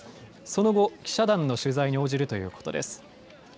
その後、記者団の取材に応じるということです。